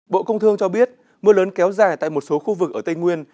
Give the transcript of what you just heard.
bộ công thương cho biết mưa lớn kéo dài tại một số khu vực ở tây nguyên